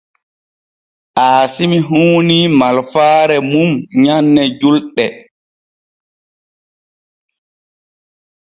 Aasimi huunii malfaare mum nyanne julɗe.